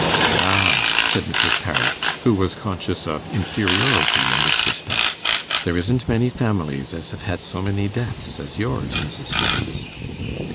'Ah,' said Mrs. Parrot, who was conscious of inferiority in this respect, 'there isn't many families as have had so many deaths as yours, Mrs. Higgins.